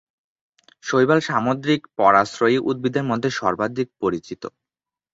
শৈবাল সামুদ্রিক পরাশ্রয়ী উদ্ভিদের মধ্যে সর্বাধিক পরিচিত।